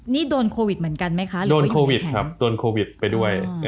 นี่โดนโควิดเหมือนกันไหมคะหรือโดนโควิดครับโดนโควิดไปด้วย